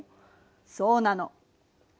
そうなの。